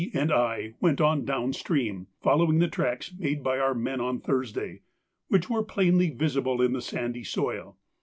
and I went on down stream, following the tracks made by our men on Thursday, which were plainly visible in the sandy soil.